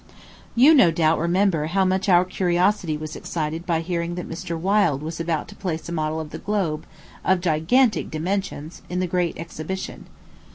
You no doubt remember how much our curiosity was excited by hearing that Mr. Wyld was about to place a model of the globe, of gigantic dimensions, in the great exhibition.